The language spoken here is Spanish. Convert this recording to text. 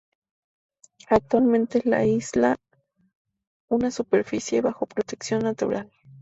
Actualmente es la isla una superficie bajo protección natural.